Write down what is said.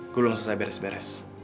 gue belum selesai beres beres